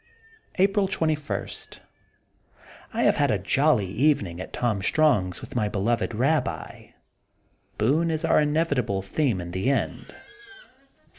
April 21: — I have had a jolly evening ^t Tom Strong 's with my beloved Rabbi. Boone is our inevitable theme in the end.